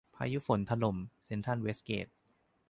พายุฝนถล่ม เซ็นทรัลเวสเกต